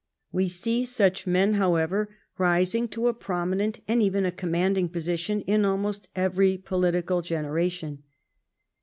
We see such men, how ever, rising to a prominent and even a commanding position in almost every political generation.